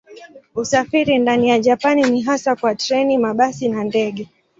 Usafiri ndani ya Japani ni hasa kwa treni, mabasi na ndege.